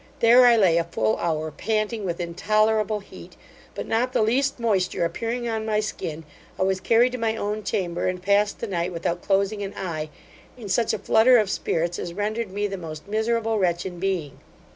There I lay a full hour panting with intolerable heat; but not the least moisture appearing on my skin, I was carried to my own chamber, and passed the night without closing an eye, in such a flutter of spirits as rendered me the most miserable wretch in being.